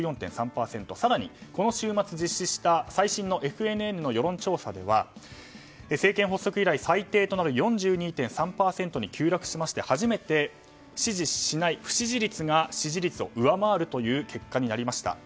更に、この週末実施した最新のＦＮＮの世論調査では政権発足以来最低となる４２．３％に急落しまして初めて支持しない、不支持率が支持率を上回るという結果になりました。